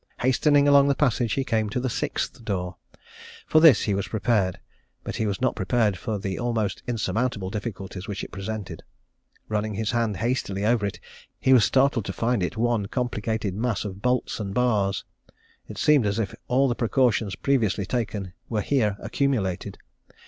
Hastening along the passage, he came to the sixth door. For this he was prepared: but he was not prepared for the almost insurmountable difficulties which it presented. Running his hand hastily over it, he was startled to find it one complicated mass of bolts and bars. It seemed as if all the precautions previously taken were here accumulated.